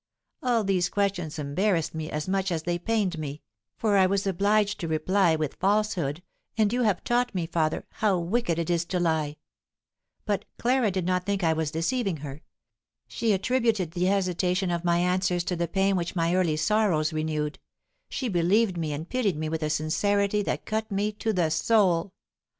All these questions embarrassed as much as they pained me, for I was obliged to reply with falsehood, and you have taught me, father, how wicked it is to lie; but Clara did not think that I was deceiving her; she attributed the hesitation of my answers to the pain which my early sorrows renewed; she believed me and pitied me with a sincerity that cut me to the soul.